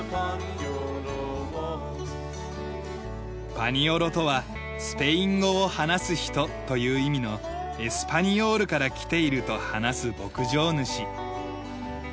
パニオロとはスペイン語を話す人という意味のエスパニオールからきていると話す牧場主。